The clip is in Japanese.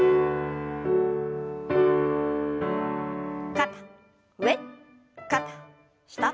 肩上肩下。